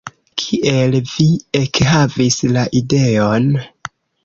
Kiel vi ekhavis la ideon?